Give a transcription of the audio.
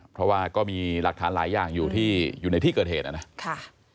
เพราะว่าก็มีหลักฐานหลายอย่างอยู่ในที่เกิดเหตุนั้นนะ